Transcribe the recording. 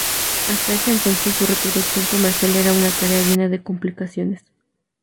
Hasta ese entonces, su reproducción comercial era una tarea llena de complicaciones.